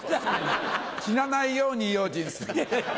死なないように用心するの。